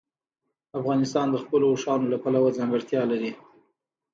افغانستان د خپلو اوښانو له پلوه ځانګړتیا لري.